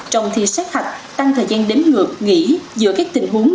trong thi sát hạch tăng thời gian đếm ngược nghỉ giữa các tình huống